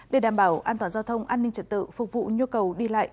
để đảm bảo an toàn giao thông an ninh trật tự phục vụ nhu cầu đi lại